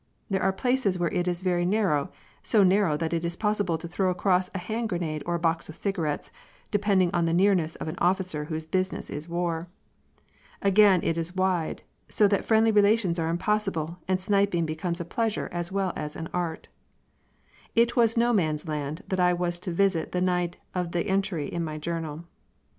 There are places where it is very narrow, so narrow that it is possible to throw across a hand grenade or a box of cigarettes, depending on the nearness of an officer whose business is war. Again it is wide, so that friendly relations are impossible, and sniping becomes a pleasure as well as an art. It was No Man's Land that I was to visit the night of the entry in my journal.